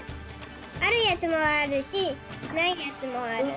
あるやつもあるしないやつもある。